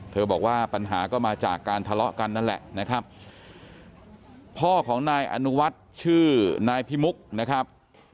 บอกว่าปัญหาก็มาจากการทะเลาะกันนั่นแหละนะครับพ่อของนายอนุวัฒน์ชื่อนายพิมุกนะครับ